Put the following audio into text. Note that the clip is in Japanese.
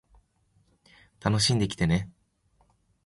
楽しんできてね